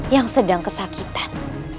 yang sedang kesakitan